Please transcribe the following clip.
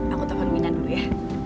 aku telfon wina dulu ya